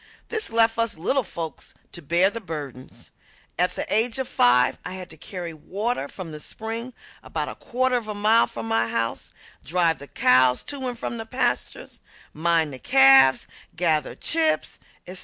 This left us little folks to bear the burdens. At the age of five I had to carry water from the spring about a quarter of a mile from the house, drive the cows to and from the pastures, mind the calves, gather chips, etc.